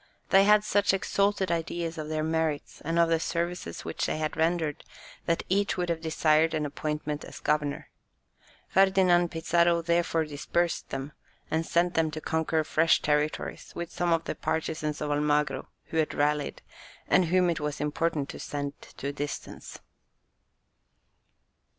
They had such exalted ideas of their merits and of the services which they had rendered, that each would have desired an appointment as governor. Ferdinand Pizarro therefore dispersed them, and sent them to conquer fresh territories with some of the partisans of Almagro who had rallied, and whom it was important to send to a distance.